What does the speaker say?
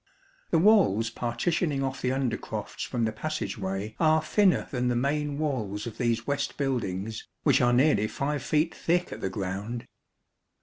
The walls partitioning off the undercrofts from the passage way are thinner than the main walls of these west buildings, which are nearly five feet thick at the ground.